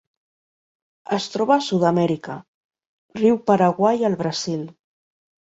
Es troba a Sud-amèrica: riu Paraguai al Brasil.